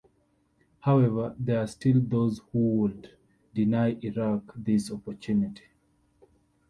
However, there are still those who would deny Iraq this opportunity.